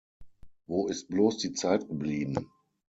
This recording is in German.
Wo ist bloß die Zeit geblieben?